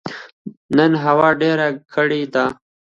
نن هوا ډيره کړه ده